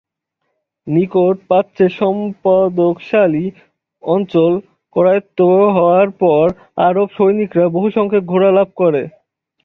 নিকট প্রাচ্যের সম্পদশালী অঞ্চল করায়ত্ত হওয়ার পর আরব সৈনিকরা বহুসংখ্যক ঘোড়া লাভ করে।